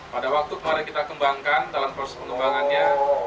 pada waktu kemarin kita kembangkan dalam proses pengembangannya